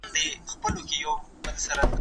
په ناوګۍ کې اوبه نه وې